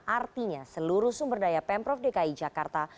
artinya seluruh sumber daya pemprov dki jakarta